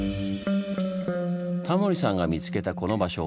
タモリさんが見つけたこの場所